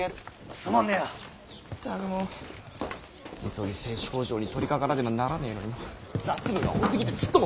急ぎ製糸工場に取りかからねばならねえのに雑務が多すぎてちっとも進まねぇや。